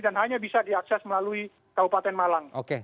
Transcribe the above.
dan hanya bisa diakses melalui kabupaten malang